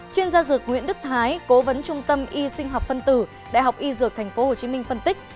chuyên gia dược nguyễn đức thái cố vấn trung tâm y sinh học phân tử đại học y dược tp hcm phân tích